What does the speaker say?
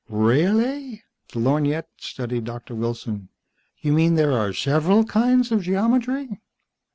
"REAHLLY!" The lorgnette studied Doctor Wilson. "You mean there are several kinds of geometry?"